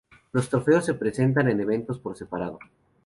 Los trofeos se presentan en eventos por separado.